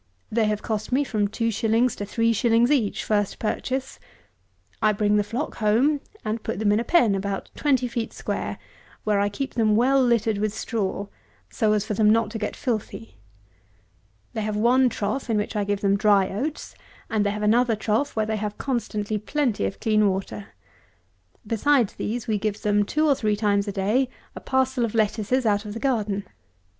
They have cost me from two shillings to three shillings each, first purchase. I bring the flock home, and put them in a pen, about twenty feet square, where I keep them well littered with straw, so as for them not to get filthy. They have one trough in which I give them dry oats, and they have another trough where they have constantly plenty of clean water. Besides these, we give them, two or three times a day, a parcel of lettuces out of the garden.